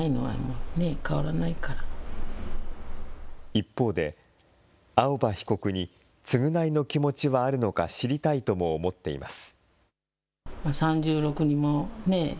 一方で、青葉被告に償いの気持ちはあるのか知りたいとも思っています。